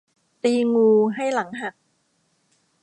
ตีงูให้หลังหัก